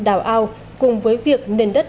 đào ao cùng với việc nền đất